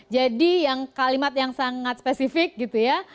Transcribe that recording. jadi yang kalimat yang sangat spesifik gitu ya